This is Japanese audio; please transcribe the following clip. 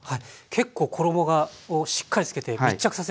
結構衣をしっかりつけて密着させる感じなんですね。